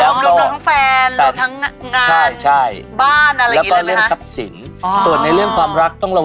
อ่อเว้ยอีกปืนนักเนื้อให้ได้นกสองตัว